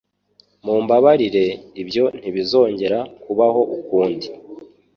Mumbabarire, ibyo ntibizongera kubaho ukundi.